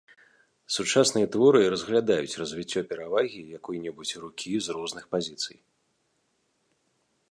Сучасныя тэорыі разглядаюць развіццё перавагі якой-небудзь рукі з розных пазіцый.